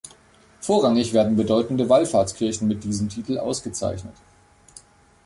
Vorrangig werden bedeutende Wallfahrtskirchen mit diesem Titel ausgezeichnet.